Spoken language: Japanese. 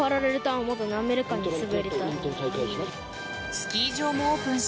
スキー場もオープンし